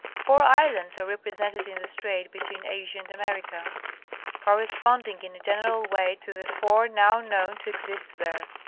Four islands are represented in the strait between Asia and America, corresponding in a general way to the four now known to exist there.